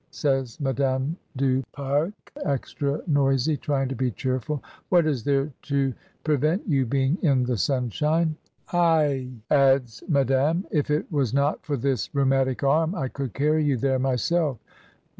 says Madame du Pare, extra noisy, trying to be cheerful. "What is there to prevent you being in the sunshine! AteT* adds Madame, "if it was not for this rheumatic arm I could carry you there myself.